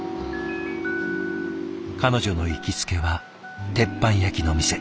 彼女の行きつけは鉄板焼きの店。